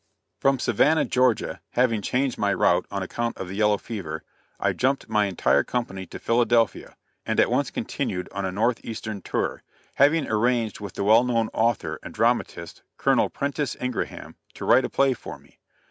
From Savannah, Georgia, having changed my route on account of the yellow fever, I jumped my entire company to Philadelphia, and at once continued on a north eastern tour, having arranged with the well known author and dramatist, Colonel Prentiss Ingraham, to write a play for me.